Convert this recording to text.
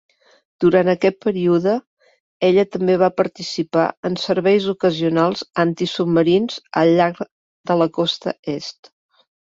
Durant aquest període, ella també va participar en serveis ocasionals antisubmarins al llarg de la costa Est.